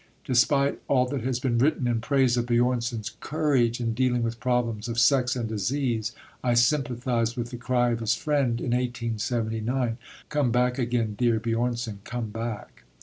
Despite all that has been written in praise of Björnson's "courage" in dealing with problems of sex and disease, I sympathise with the cry of his friend in 1879: "Come back again, dear Björnson, come back!"